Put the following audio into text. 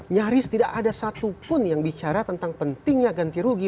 nyaris tidak ada satupun yang bicara tentang pentingnya ganti rugi